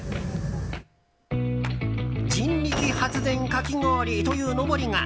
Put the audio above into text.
「人力発電かき氷」というのぼりが。